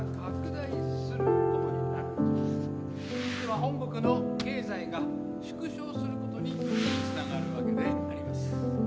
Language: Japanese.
本国の経済が縮小する事に繋がるわけであります。